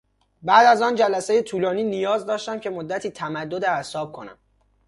بعد از آن جلسهی طولانی نیاز داشتم که مدتی تمدد اعصاب کنم.